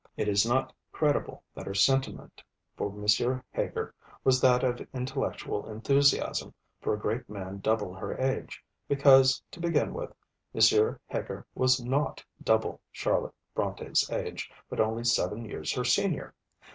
It is not credible that her sentiment for M. Heger was that of intellectual enthusiasm for a great man double her age; because, to begin with, M, Heger was not double Charlotte Brontë's age, but only seven years her senior.